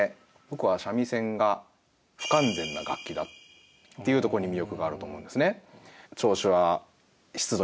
僕は三味線が不完全な楽器だっていうところに魅力があると思うんですね。